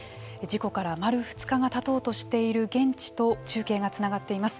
事故から丸２日がたとうとしている現地と中継がつながっています。